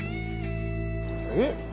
えっ？